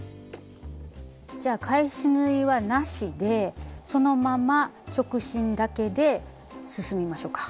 じゃあ返し縫いはなしでそのまま直進だけで進みましょか。